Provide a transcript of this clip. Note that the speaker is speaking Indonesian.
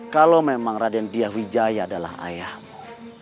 kalau memang raden diyahwijaya adalah ayahmu